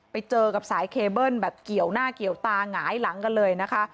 ไปเจอกับสายเคเบิ้ลแบบเกี่ยวหน้าเกี่ยวตาหงายหลังกันเลยนะคะ